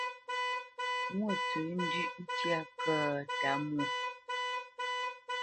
Mwôntsəndʉ̂ʼ ntyá kə̂ ə́ Tǎmwō?